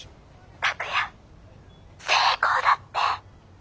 拓哉成功だって！